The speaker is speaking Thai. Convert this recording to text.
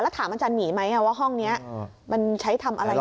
แล้วถามอาจารย์หมีว่าห้องนี้ใช้ทำอะไร